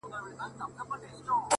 ته خو له هري ښيښې وځې و ښيښې ته ورځې~